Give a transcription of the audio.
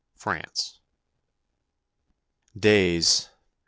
XII FRANCE Days